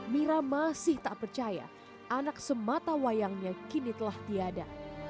mira masih tak percaya anak sematawayangnya kini telah tiada